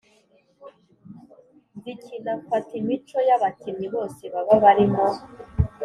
nzikina mfata imico y’abakinnyi bose baba barimo,